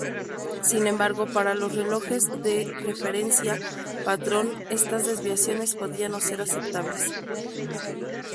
Sin embargo, para los relojes de referencia patrón estas desviaciones podían no ser aceptables.